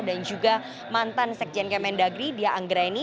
dan juga mantan sekjen kementerian negeri dia anggreni